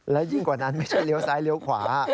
แล้วยิ่งกว่านั้นไม่ใช่เลี้ยวซ้ายเลี้ยวขวา